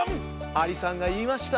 アリさんがいいました。